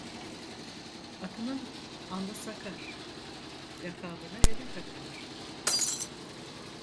Atımın anlı sakar, lakabını ele takar.